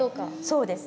そうですね。